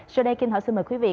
sau đây kim thảo xin mời quý vị